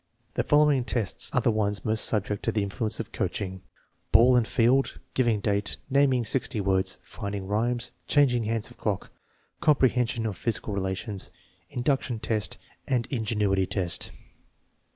The following tests are the ones most subject to the in fluence of coaching: Ball and field, giving date, naming sixty words, finding rhymes, changing hands of clock, comprehension of physical relations, "induction test," and " ingenuity test."